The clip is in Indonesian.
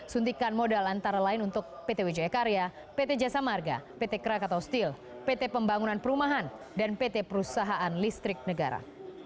suntikan modal antara lain untuk pt wijaya karya pt jasa marga pt krakatau steel pt pembangunan perumahan dan pt perusahaan listrik negara